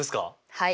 はい。